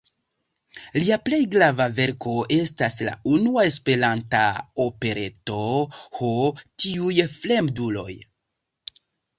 Lia plej grava verko estas la unua Esperanta opereto "Ho, tiuj fremduloj!